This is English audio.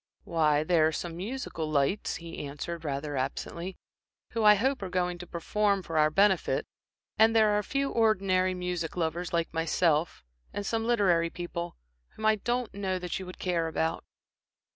"Why, there are some musical lights," he answered, rather absently "who, I hope, are going to perform for our benefit, and there are a few ordinary music lovers like myself, and some literary people whom I don't know that you would care about."